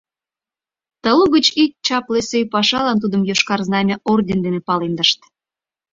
Талук гыч ик чапле сӧй пашалан тудым Йошкар Знамя орден дене палемдышт...